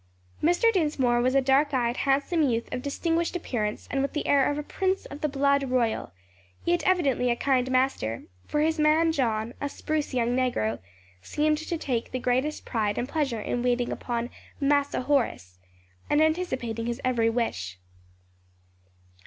Mr. Dinsmore was a dark eyed, handsome youth of distinguished appearance and with the air of a prince of the blood royal; yet evidently a kind master; for his man John, a spruce young negro, seemed to take the greatest pride and pleasure in waiting upon "Massa Horace" and anticipating his every wish.